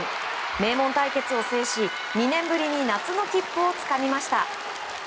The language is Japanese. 名門対決を制し、２年ぶりに夏の切符をつかみました。